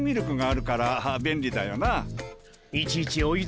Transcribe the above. あ。